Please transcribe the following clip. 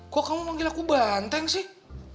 kok kamu manggil aku banteng sih